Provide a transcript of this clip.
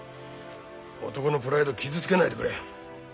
男のプライド傷つけないでくれ。